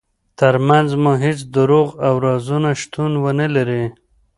ترمنځ مو هیڅ دروغ او رازونه شتون ونلري.